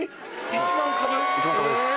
１万株です。